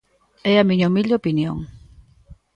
É a miña humilde opinión.